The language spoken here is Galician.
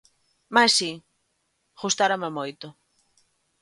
Mais si, gustárame moito.